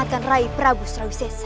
untuk menjaga raih prabu sarawisesa